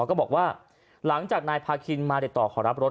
ก็บอกว่าหลังจากนายพาคินมาติดต่อขอรับรถ